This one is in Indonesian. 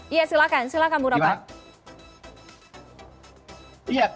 iya silakan mbak